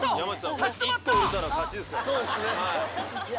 立ち止まった！